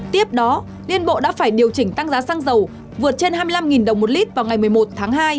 tiếp đó liên bộ đã phải điều chỉnh tăng giá xăng dầu vượt trên hai mươi năm đồng một lít vào ngày một mươi một tháng hai